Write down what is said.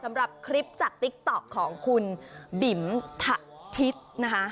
สำหรับคลิปจากของคุณบิ่มทะฮิตนะฮะ